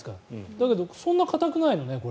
だけど、そんな硬くないのね。